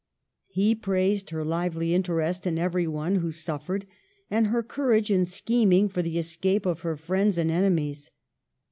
He praised her lively interest in everyone who suffered, and her courage in scheming for the escape of her friends and enemies.